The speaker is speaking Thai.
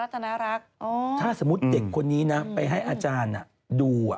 รักถ้าสมมุติเด็กคนนี้นะไปให้อาจารย์ดู